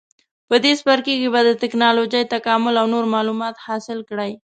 په دې څپرکي کې به د ټېکنالوجۍ تکامل او نور معلومات حاصل کړئ.